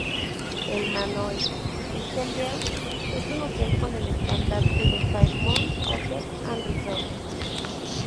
El Manoir Richelieu es un hotel con el estandarte de Fairmont Hotels and Resorts.